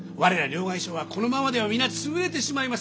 両替商はこのままでは皆潰れてしまいます。